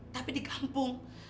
tapi di kampung